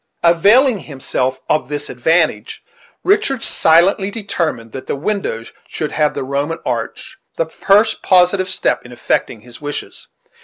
Availing himself of this advantage, Richard silently determined that the windows should have the Roman arch; the first positive step in effecting his wishes.